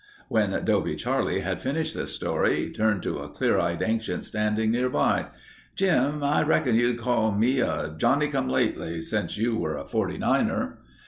When Dobe Charlie had finished this story he turned to a clear eyed ancient standing nearby. "Jim, I reckon you'd call me a Johnny come lately since you were a Forty Niner."